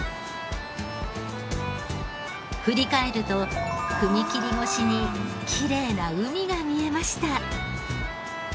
振り返ると踏切越しにきれいな海が見えました。